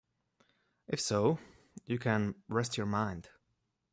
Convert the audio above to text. If so, you can rest your mind.